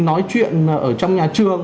nói chuyện ở trong nhà trường